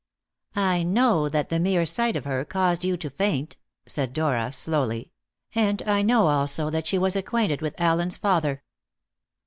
"I know that the mere sight of her caused you to faint," said Dora slowly, "and I know also that she was acquainted with Allen's father."